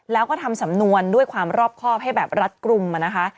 แล้วก็ทำสำนวนด้วยความรอบครอบให้แบบรัฐกลุ่มนะคะ